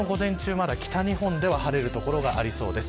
まだ北日本では晴れる所がありそうです。